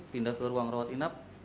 pindah ke ruang rawat inap